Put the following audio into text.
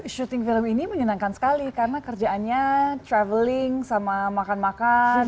syuting film ini menyenangkan sekali karena kerjaannya traveling sama makan makan